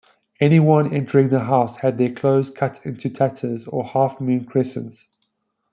Anyone entering the house had their clothes cut into tatters or half-moon crescents.